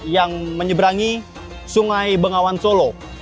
yang menyeberangi sungai bengawan solo